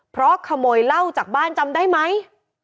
เพราะขโมยเหล้าจากบ้านจำได้ไหม